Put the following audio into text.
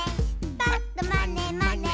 「ぱっとまねまね」